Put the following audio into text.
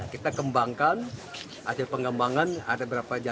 kita kembangkan hasil pengembangan ada berapa jalan